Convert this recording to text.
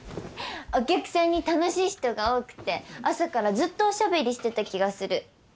お客さんに楽しい人が多くて朝からずっとおしゃべりしてた気がする。